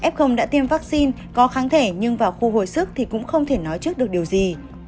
f đã tiêm vaccine có kháng thể nhưng vào khu hồi sức thì cũng không thể nói trước được điều gì